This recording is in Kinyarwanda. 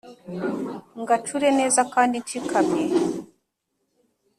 Ngacure neza kandi nshikamye